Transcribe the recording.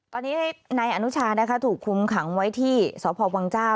ตอนนี้นายอนุชานะคะถูกคุมขังไว้ที่สพวังเจ้า